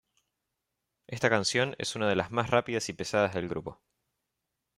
Esta canción es unas de las más rápidas y pesadas del grupo.